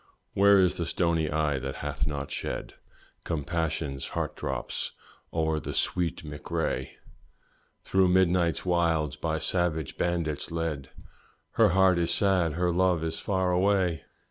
Where is the stony eye that hath not shed Compassion's heart drops o'er the sweet Mc Rea? Through midnight's wilds by savage bandits led, "Her heart is sad her love is far away!"